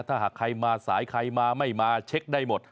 ถ้าหากใครมาสายใครมาไม่มาเช็คได้หมด